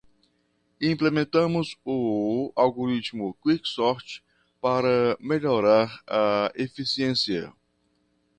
Implementamos o algoritmo Quick Sort para melhorar a eficiência.